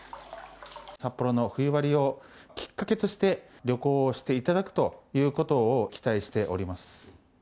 札幌の冬割をきっかけとして、旅行をしていただくということを期待しております。